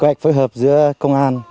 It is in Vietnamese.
cơ hạch phối hợp giữa công an